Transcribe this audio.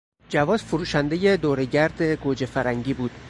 جواد، فروشنده دورهگرد گوجهفرنگی بود.